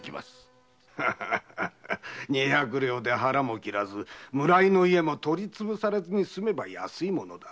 二百両で腹も切らず村井家も取り潰されずに済めば安いものだ。